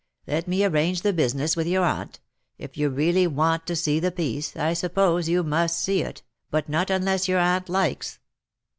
Let me arrange the business with your aunt. If you really want to see the piece^ I suppose you must see it — but not unless your aunt likes."